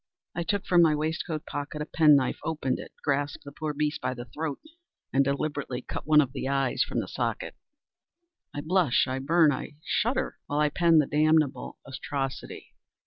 I took from my waistcoat pocket a pen knife, opened it, grasped the poor beast by the throat, and deliberately cut one of its eyes from the socket! I blush, I burn, I shudder, while I pen the damnable atrocity.